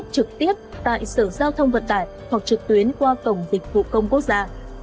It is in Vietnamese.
hướng thức trực tiếp tại sở giao thông vận tải hoặc trực tuyến qua tổng dịch vụ công quốc gia